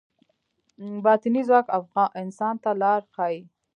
باطني ځواک انسان ته لار ښيي.